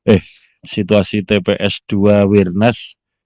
eh situasi tps dua wirnas